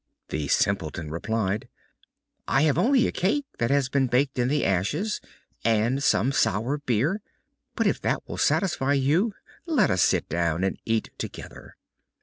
The Simpleton replied: "I have only a cake that has been baked in the ashes, and some sour beer, but if that will satisfy you, let us sit down and eat together."